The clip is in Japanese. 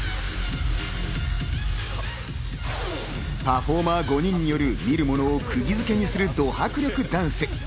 パフォーマー５人による見る者を釘付けにする、ド迫力ダンス。